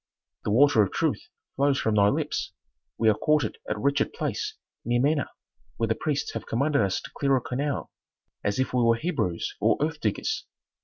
"The water of truth flows from thy lips. We are quartered at a wretched place near Mena where the priests have commanded us to clear a canal, as if we were Hebrews or earth diggers."